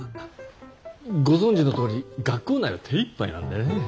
ご存じのとおり学校内は手いっぱいなんでね。